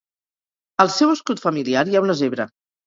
Al seu escut familiar hi ha una zebra.